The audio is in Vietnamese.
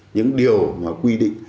những điều mà quy định